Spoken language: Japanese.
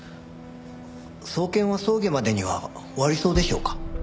送検は葬儀までには終わりそうでしょうか？